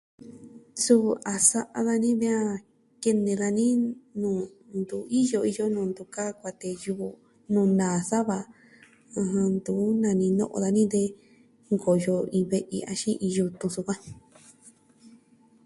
Suu a sa'a dani vi a kene dani nuu ntu iyo, iyo nuu ntu kaa kuatee yuu o nuu naa sa va, ntu nani no'o dani de nkoyo iin yutun axin nkoyo iin ve'i.